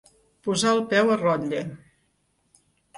Posar el peu a rotlle.